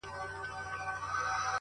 خداى دي له بدوسترگو وساته تل ـ